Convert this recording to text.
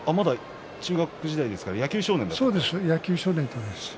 中学時代ですから野球少年だったんですよね。